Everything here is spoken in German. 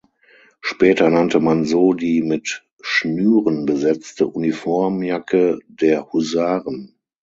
Später nannte man so die mit Schnüren besetzte Uniformjacke der Husaren.